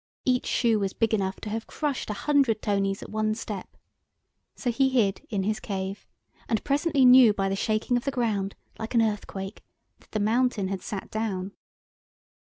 Each shoe was big enough to have crushed a hundred Tonys at one step. So he hid in his cave, and presently knew by the shaking of the ground, like an earthquake, that the mountain had sat down.